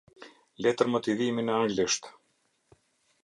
Letër motivimi në anglisht.